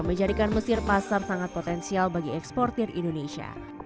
menjadikan mesir pasar sangat potensial bagi eksportir indonesia